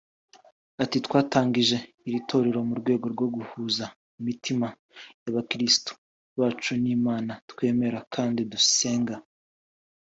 Ati “Twatangije iri torero mu rwego rwo guhuza imitima y’abakirisitu bacu n’Imana twemera kandi dusenga